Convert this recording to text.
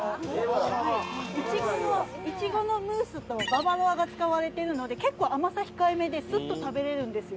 いちごのムースとババロアが使われてるので結構甘さ控えめでスッと食べれるんですよ。